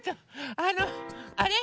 あのあれ？